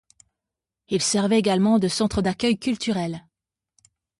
Il servait également de centre d'accueil culturel.